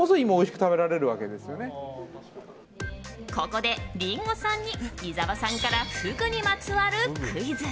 ここでリンゴさんに伊沢さんからフグにまつわるクイズ。